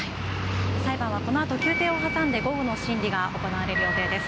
裁判はこのあと休廷を挟んで午後の審理が行われる予定です。